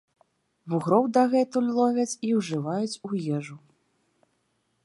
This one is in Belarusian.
Вугроў дагэтуль ловяць і ўжываюць у ежу.